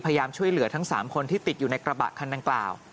พยายามช่วยเหลือทั้ง๓คนที่ติดอยู่ในกระบะคันดังกล่าว